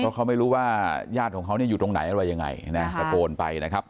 เพราะเขาไม่รู้ว่าญาติของเขาเนี่ยอยู่ตรงไหนอะไรยังไงนะตะโกนไปนะครับ